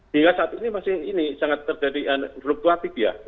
hingga saat ini masih ini sangat terjadi fluktuatif ya